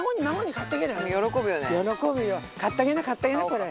買ってあげな買ってあげなこれ。